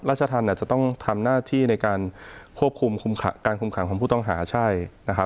ราชทันต้องทำหน้าที่ในการควบคุมการคุมขังของผู้ต้องหา